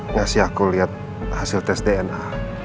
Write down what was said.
ngasih aku lihat hasil tes dna